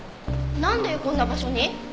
なんでこんな場所に？